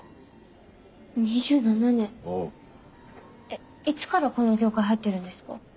えっいつからこの業界入ってるんですか？